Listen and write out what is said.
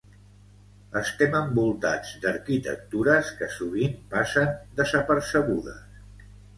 Estem envoltats d’arquitectures que sovint passen desapercebudes.